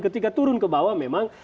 ketika turun ke bawah memang